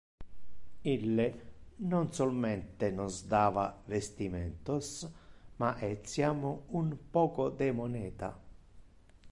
Ille non solmente nos dava vestimentos, ma etiam un poco de moneta.